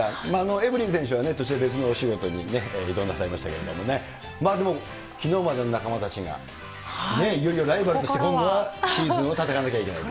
エブリン選手は、途中で別のお仕事に移動なさいましたけれども、でも、きのうまでの仲間たちが、いよいよライバルとして今度はシーズンを戦わなければいけないと。